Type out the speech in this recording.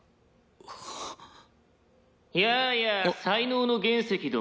「やあやあ才能の原石ども」